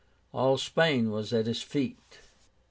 All Spain was at his feet.